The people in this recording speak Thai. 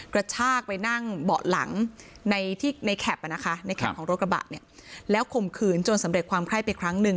กระชากไปนั่งเบาะหลังในแคปของรถกระบะแล้วข่มขืนจนสำเร็จความไพร่ไปครั้งหนึ่ง